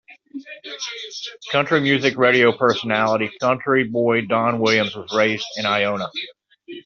Country Music Radio Personality, Country Boy Don Williams was raised in Ionia.